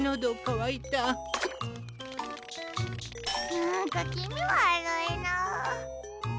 なんかきみわるいな。